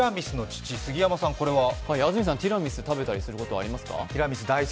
安住さん、ティラミス食べることありますか？